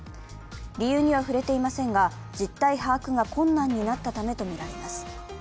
理由には触れていませんが実態把握が困難になったためとみられます。